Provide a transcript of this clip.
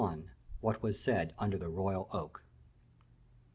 What Was Said under the Royal Oak.